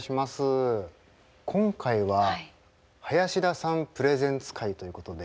今回は林田さんプレゼンツ回ということで。